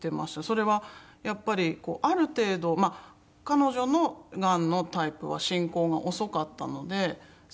それはやっぱりある程度彼女のがんのタイプは進行が遅かったので幸い。